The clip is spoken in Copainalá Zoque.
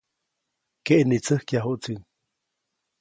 Keʼnitsäjkyajuʼtsi.